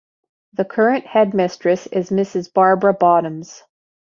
The current Headmistress is Mrs Barbara Bottoms.